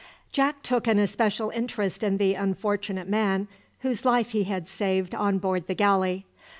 Jack took an especial interest in the unfortunate man whose life he had saved on board the galley.